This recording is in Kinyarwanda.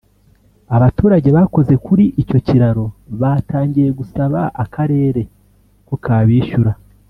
Abaturage bakoze kuri icyo kiraro batangiye gusaba akarere ko kabishyura